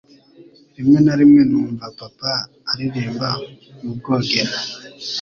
Rimwe na rimwe numva papa aririmba mu bwogero